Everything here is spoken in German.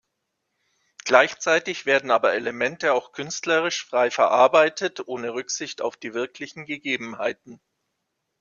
Gleichzeitig werden aber Elemente auch künstlerisch frei verarbeitet, ohne Rücksicht auf die wirklichen Gegebenheiten.